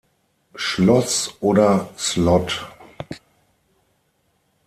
Schloss oder Slot.